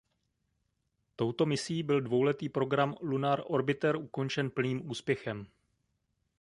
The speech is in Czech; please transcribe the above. Touto misí byl dvouletý program Lunar Orbiter ukončen plným úspěchem.